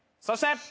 そして。